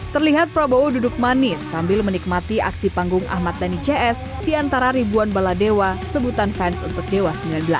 terlihat prabowo duduk manis sambil menikmati aksi panggung ahmad dhani cs di antara ribuan baladewa sebutan fans untuk dewa sembilan belas